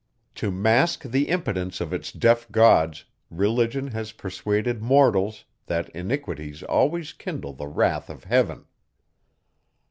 To mask the impotence of its deaf gods, religion has persuaded mortals, that iniquities always kindle the wrath of heaven.